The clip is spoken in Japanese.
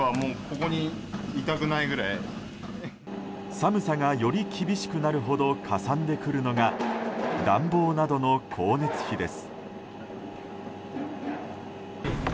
寒さがより厳しくなるほどかさんでくるのが暖房などの光熱費です。